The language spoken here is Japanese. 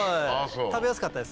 食べやすかったですね。